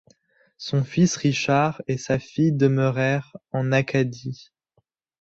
Son fils Richard et sa fille demeurèrent en Acadie.